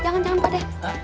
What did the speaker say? jangan pak de